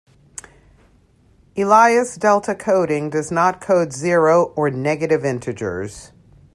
Elias delta coding does not code zero or negative integers.